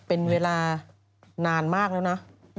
เป็นเวลานานมากแล้วนะ